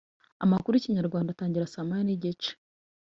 Amakuru yikinyarwanda atangira saa moya nigice